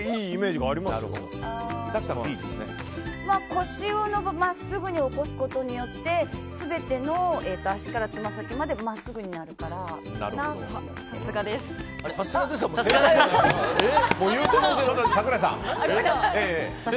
腰を真っすぐに起こすことによって全ての脚からつま先まで真っすぐになるからかなと。